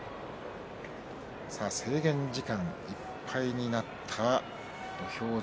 制限時間いっぱいになった土俵上。